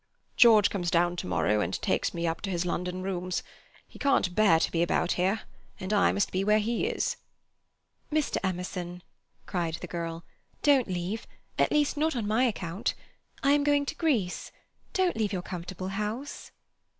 George comes down to morrow, and takes me up to his London rooms. He can't bear to be about here, and I must be where he is." "Mr. Emerson," cried the girl, "don't leave at least, not on my account. I am going to Greece. Don't leave your comfortable house."